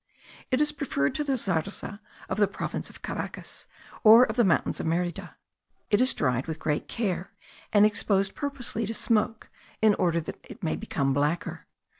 It is much preferred to the zarza of the Province of Caracas, or of the mountains of Merida; it is dried with great care, and exposed purposely to smoke, in order that it may become blacker.